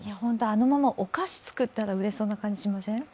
あのままお菓子作ったら売れそうな感じしません？